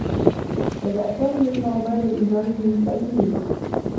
بدأ سامي يجمع مال الإيجار من مستأجِريه.